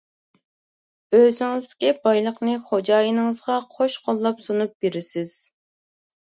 ئۆزىڭىزدىكى بايلىقنى خوجايىنىڭىزغا قوش قوللاپ سۇنۇپ بىرىسىز.